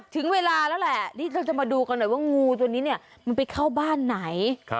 ถึงเวลาแล้วแหละที่เราจะมาดูกันหน่อยว่างูตัวนี้เนี่ยมันไปเข้าบ้านไหน